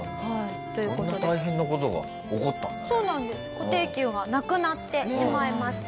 固定給がなくなってしまいました。